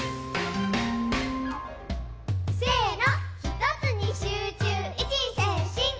せの！